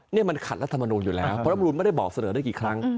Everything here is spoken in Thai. นี่มันขัดรัฐมนูลอยู่แล้วเพราะรำนูนไม่ได้บอกเสนอได้กี่ครั้ง